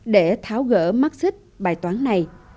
để tháo gỡ mắc xích bài toán này